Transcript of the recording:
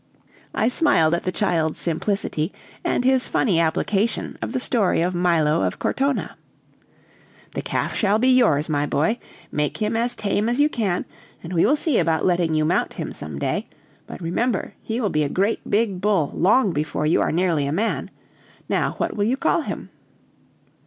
I smiled at the child's simplicity, and his funny application of the story of Milo of Cortona. "The calf shall be yours, my boy. Make him as tame as you can, and we will see about letting you mount him some day; but remember, he will be a great bull long before you are nearly a man. Now, what will you call him?"